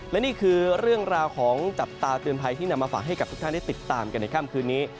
และนี่คือเรื่องราวของจับตาเตือนภัยที่นำมาฝากให้กับทุกท่านได้ติดตามกันในค่ำคืนนี้